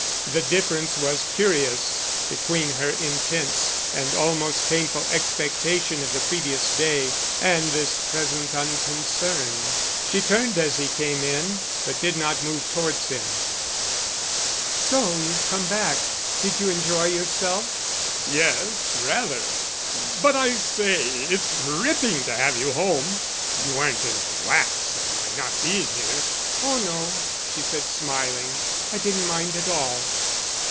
The difference was curious between her intense and almost painful expectation of the previous day and this present unconcern. She turned as he came in, but did not move towards him. "So you've come back? Did you enjoy yourself?" "Yes, rather. But I say, it's ripping to have you home. You weren't in a wax at my not being here?" "Oh no," she said, smiling. "I didn't mind at all."